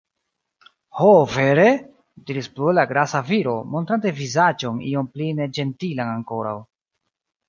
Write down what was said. Ho, vere!? diris plue la grasa viro, montrante vizaĝon iom pli neĝentilan ankoraŭ.